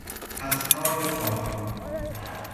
اسناد پارلمان